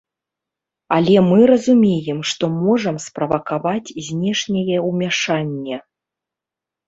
Але мы разумеем, што можам справакаваць знешняе ўмяшанне.